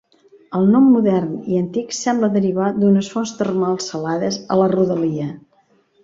El nom modern i antic sembla derivar d'unes fonts termals salades a la rodalia.